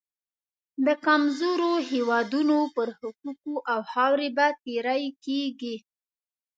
د کمزورو هېوادونو پر حقوقو او خاورې به تیری کېږي.